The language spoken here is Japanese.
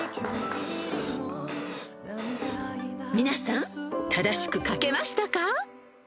［皆さん正しく書けましたか？］